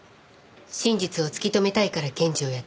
真実を突き止めたいから検事をやっている。